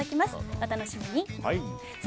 お楽しみに。